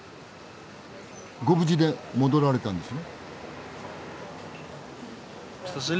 ご無事で戻られたんですね？